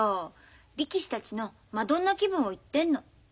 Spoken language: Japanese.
力士たちのマドンナ気分を言ってんの。